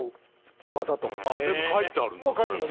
全部書いてあるんだそれが。